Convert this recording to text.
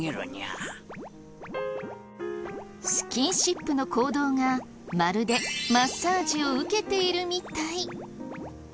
スキンシップの行動がまるでマッサージを受けているみたい。